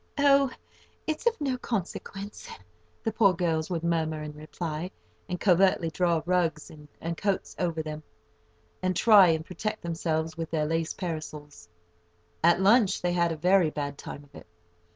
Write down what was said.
"Oh, it's of no consequence," the poor girls would murmur in reply, and covertly draw rugs and coats over themselves, and try and protect themselves with their lace parasols. At lunch they had a very bad time of it.